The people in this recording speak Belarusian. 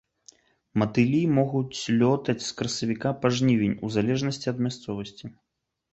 Матылі могуць лётаць з красавіка па жнівень, у залежнасці ад мясцовасці.